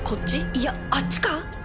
いやあっちか？